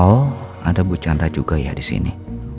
oh ada bu chandra juga ya disini